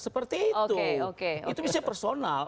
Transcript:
seperti itu itu bisa personal